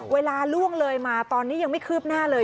เวลาล่วงเลยมาตอนนี้ยังไม่คืบหน้าเลย